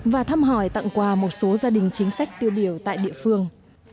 và thăm hỏi tặng quà một số gia đình chính sách tiêu biểu tại địa phương